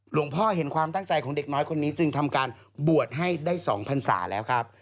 พ่อเห็นความตั้งใจของเด็กน้อยคนนี้จึงทำการบวชให้ได้๒พันศาแล้วครับ